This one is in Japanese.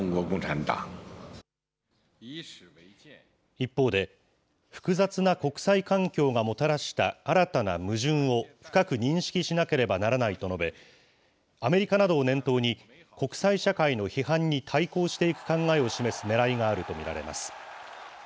一方で、複雑な国際環境がもたらした新たな矛盾を深く認識しなければならないと述べ、アメリカなどを念頭に、国際社会の批判に対抗していく考えを示すねらいがあると見られます。